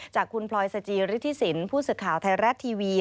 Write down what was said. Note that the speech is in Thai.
จากคุณพลอยสจริษฐศิลป์ผู้ศึกข่าวไทยรัชทีวี